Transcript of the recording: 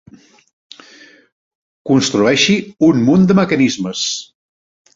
Construeixi un munt de mecanismes.